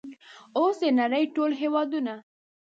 اوس د نړۍ ټول هیوادونه